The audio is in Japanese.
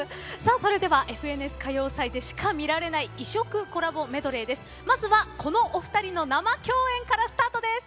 それでは「ＦＮＳ歌謡祭」でしか見られない異色コラボメドレーです。